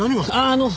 あの！